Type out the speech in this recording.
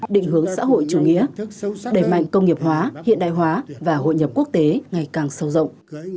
định hướng xã hội chủ nghĩa đẩy mạnh công nghiệp hóa hiện đại hóa và hội nhập quốc tế ngày càng sâu rộng